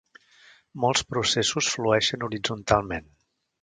Molts processos flueixen horitzontalment.